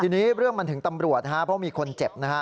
ทีนี้เรื่องมันถึงตำรวจเพราะว่ามีคนเจ็บ